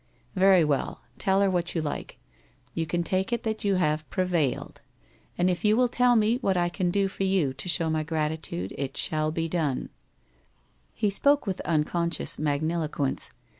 1 Very well. Tell her what you like. You can take it that you have prevailed. And if you will tell me what I can do for you to show my gratitude, it shall be done/ He spoke with unconscious magniloquence.